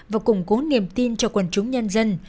và củng cố niềm tin cho quần chúng nhân dân